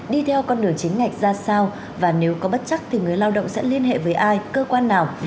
đi theo con đường chính ngạch ra sao và nếu có bất chắc thì người lao động sẽ liên hệ với ai cơ quan nào